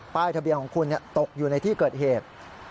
ป้ายทะเบียนของคุณเนี่ยตกอยู่ในที่เกิดเหตุ